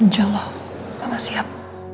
jaloh mama siap